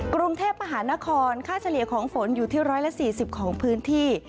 กรุงเทพมหานครค่าเฉลี่ยของฝนอยู่ที่๑๔๐ของพื้นที่